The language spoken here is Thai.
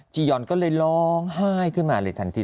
ยอนก็เลยร้องไห้ขึ้นมาเลยทันที